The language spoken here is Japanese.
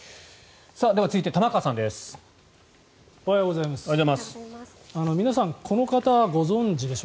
では続いて、玉川さんです。